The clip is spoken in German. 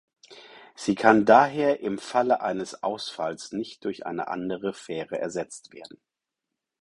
Sie kann daher im Falle eines Ausfalls nicht durch eine andere Fähre ersetzt werden.